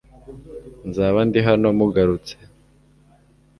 Nzaba ndi hano mugarutse